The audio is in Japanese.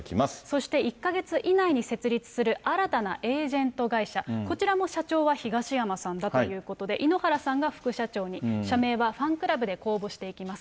そして１か月以内に設立する新たなエージェント会社、こちらも社長は東山さんだということで、井ノ原さんが副社長に、社名はファンクラブで公募していきます。